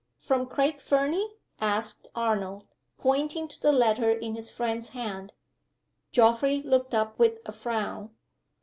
"From Craig Fernie?" asked Arnold, pointing to the letter in his friend's hand. Geoffrey looked up with a frown.